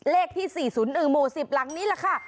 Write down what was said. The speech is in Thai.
เลขที่๔๐๑หมู่๑๐หลังนี้แหละค่ะ